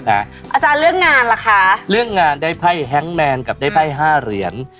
อาจารย์เรื่องงานล่ะคะเรื่องงานได้ไพ่แฮงแมนกับได้ไพ่๕เหรียญ